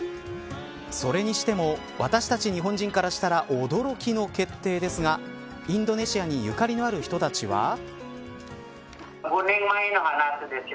それにしても私たち日本人からしたら驚きの決定ですがインドネシアにゆかりのある人たちは。